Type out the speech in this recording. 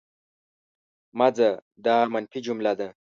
مه ځه! دا منفي جمله ده.